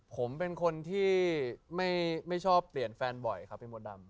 ผมเป็นคนที่ไม่ชอบเปลี่ยนแฟนบ่อยครับพี่มดดำ